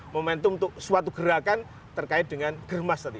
momentum untuk suatu gerakan terkait dengan germas tadi